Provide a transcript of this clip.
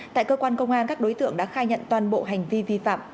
tại cơ quan công an các đối tượng đã khai nhận toàn bộ hành vi vi phạm